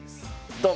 ドン！